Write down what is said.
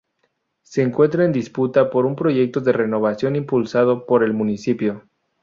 Se encuentra en disputa por un proyecto de renovación impulsado por el municipio.